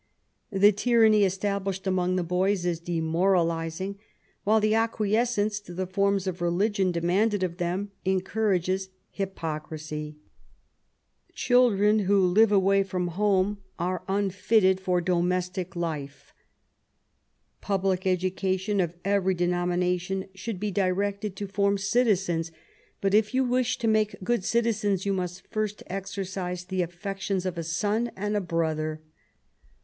The tyranny established among the boys is demoralizing, while the acquiescence to the forms of religion demanded of them, encourages hypocrisy. Children who live away from home are unfitted for 96 MARY W0LL8T0NJE0BAFT GODWIN. domestic life. " Public education of every denomina tion should be directed to form citizens^ but if you wish to make good citizens, you must Erst exercise the affections of a son and a brother."